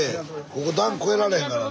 ここ段越えられへんからね。